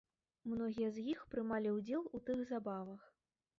Многія з іх прымалі ўдзел у тых забавах.